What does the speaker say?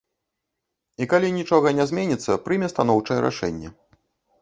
І калі нічога не зменіцца, прыме станоўчае рашэнне.